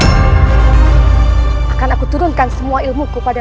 akan aku turunkan semua ilmuku padamu